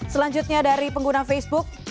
selanjutnya dari pengguna facebook